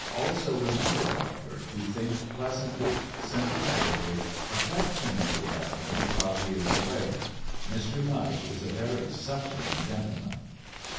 Also, remember, Barker, to think pleasantly, sympathetically, affectionately of him while he is away. Mr. Mudge is a very suffering gentleman."